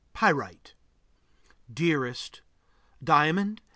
Pyrite. DEAREST Diamond.